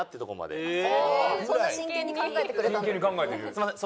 すみません！